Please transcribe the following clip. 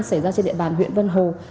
xảy ra trên địa bàn huyện vân hồ